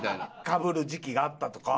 かぶる時期があったとか。